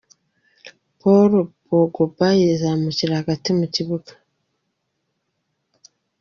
Paul Pogba yizamukira hagati mu kibuga.